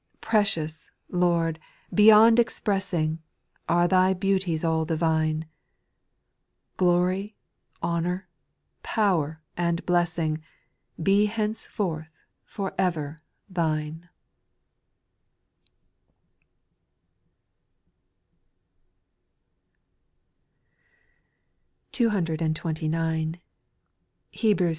6. Precious, Lord, beyond expressing, Are Thy beauties all divine ; QI017, honour, power and blessing, Be henceforth for ever Thine I SPIRITUAL SONGS. 32o 829. Hebrews vi.